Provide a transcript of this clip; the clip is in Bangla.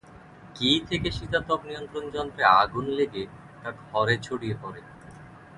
কি থেকে শীতাতপ নিয়ন্ত্রণ যন্ত্রে আগুন লেগে তা ঘরে ছড়িয়ে পড়ে?